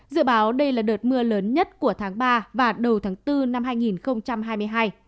dự báo đây là đợt mưa lớn nhất của tháng ba và đầu tháng bốn năm hai nghìn hai mươi hai